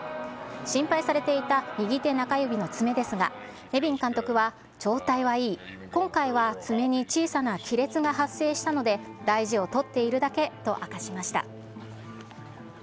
心配されていた右手中指の爪ですが、ネビン監督は監督は、状態はいい、今回は爪に小さな亀裂が発生したので、大事をとっているだけと明かしました。